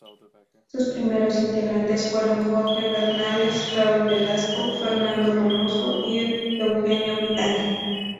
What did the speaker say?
Sus primeros integrantes fueron Jorge Bernales, Raúl Velasco, Fernando Donoso y Eugenio Vidal.